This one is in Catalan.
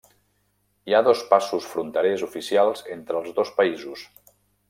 Hi ha dos passos fronterers oficials entre els dos països.